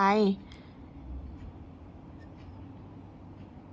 ทำไมต้องเงียบล่ะลูก